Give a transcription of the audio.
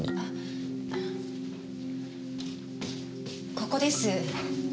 ここです。